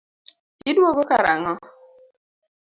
Iduogo kar ang'o?